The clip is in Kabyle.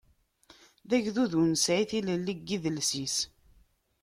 D agdud ur nesɛi tilelli deg idles-is.